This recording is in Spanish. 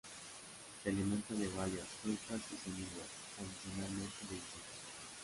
Se alimenta de bayas, frutas y semillas y adicionalmente de insectos.